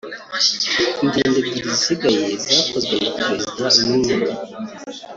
Ingendo ebyiri zisigaye zakozwe na Perezida Lungu